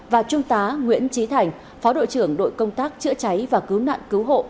và trung tá nguyễn trí thành phó đội trưởng đội công tác chữa cháy và cứu nạn cứu hộ